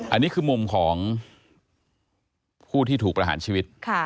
อันนี้คือมุมของผู้ที่ถูกประหารชีวิต